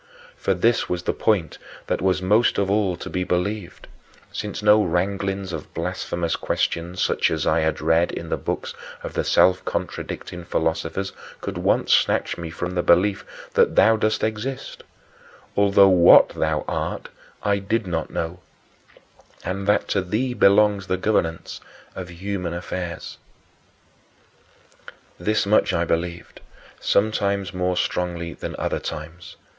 For this was the point that was most of all to be believed, since no wranglings of blasphemous questions such as I had read in the books of the self contradicting philosophers could once snatch from me the belief that thou dost exist although what thou art I did not know and that to thee belongs the governance of human affairs. 8. This much I believed, some times more strongly than other times.